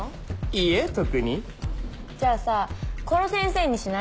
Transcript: いいえ特にじゃあさ「殺せんせー」にしない？